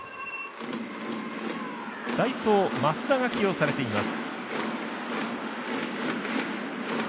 代走、増田が起用されています。